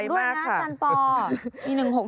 ๑๖ด้วยนะจันปอร์